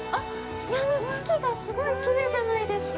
月が、すごいきれいじゃないですか。